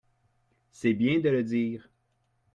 C’est bien de le dire